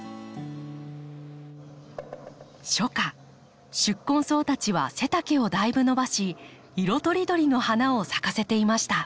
初夏宿根草たちは背丈をだいぶ伸ばし色とりどりの花を咲かせていました。